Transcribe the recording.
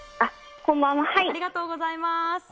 ありがとうございます。